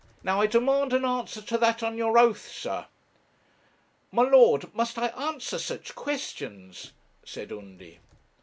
Now, I demand an answer to that on your oath, sir.' 'My lord, must I answer such questions?' said Undy.